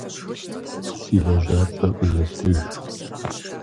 Си лэжьапщӏэр къызэфтыж!